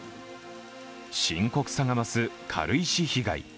深刻さが増す軽石被害。